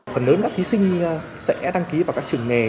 phần lớn các thí sinh sẽ đăng ký vào các trường nghề